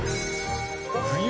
冬！